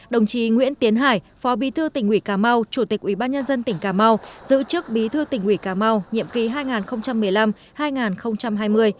đồng chí nguyễn tiến hải phó bí thư tỉnh ủy cà mau chủ tịch ủy ban nhân dân tỉnh cà mau giữ chức bí thư tỉnh ủy cà mau nhiệm ký hai nghìn một mươi năm hai nghìn hai mươi